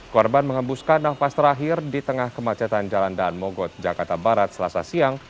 korban mengembuskan nafas terakhir di tengah kemacetan jalan daan mogot jakarta barat selasa siang